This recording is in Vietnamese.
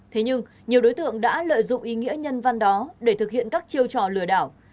thế nhưng nhiều đối tượng đã lợi dụng ý nghĩa nhân văn đó để thực hiện các chiêu trò lừa đảo